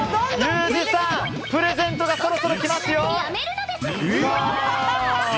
ユージさん、プレゼントがそろそろ来ますよ！